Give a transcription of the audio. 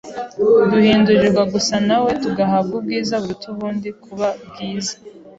duhindurirwa gusa na we tugahabwa ubwiza buruta ubundi kuba bwiza